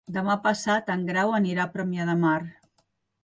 Demà passat en Grau anirà a Premià de Mar.